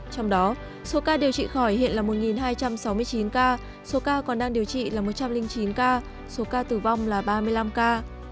trong đó số ca điều trị khỏi hiện là một hai trăm sáu mươi chín ca số ca còn đang điều trị là một trăm linh chín ca số ca tử vong là ba mươi năm ca